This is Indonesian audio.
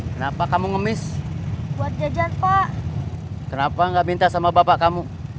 kenapa kamu ngemis buat jajan pak kenapa nggak minta sama bapak kamu